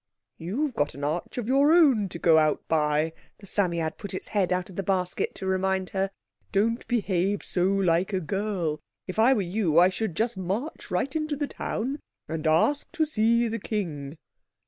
"You've got an arch of your own to go out by," the Psammead put its head out of the basket to remind her. "Don't behave so like a girl. If I were you I should just march right into the town and ask to see the king."